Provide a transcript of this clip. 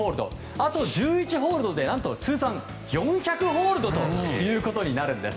あと１１ホールドで何と通算で４００ホールドとなるんです。